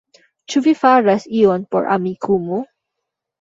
Ĉu vi faras ion por Amikumu?